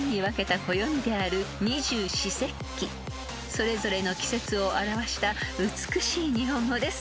［それぞれの季節を表した美しい日本語です。